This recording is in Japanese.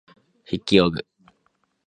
筆記用具